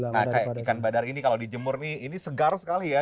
nah kayak ikan badar ini kalau dijemur nih ini segar sekali ya